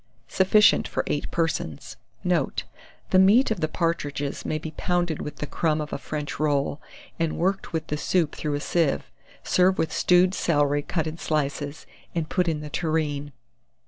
Sufficient for 8 persons. Note. The meat of the partridges may be pounded with the crumb of a French roll, and worked with the soup through a sieve. Serve with stewed celery cut in slices, and put in the tureen.